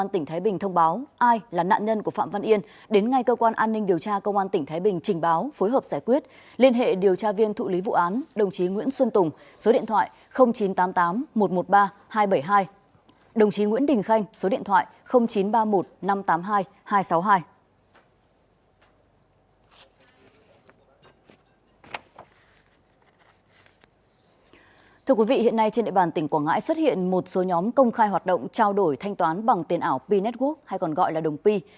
thưa quý vị hiện nay trên địa bàn tỉnh quảng ngãi xuất hiện một số nhóm công khai hoạt động trao đổi thanh toán bằng tiền ảo p network hay còn gọi là đồng pi